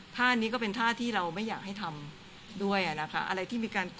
ท่านี้ก็เป็นท่าที่เราไม่อยากให้ทำด้วยแหละคะ